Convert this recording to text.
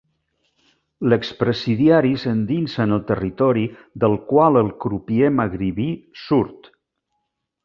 L'expresidiari s'endinsa en el territori del qual el crupier magribí surt.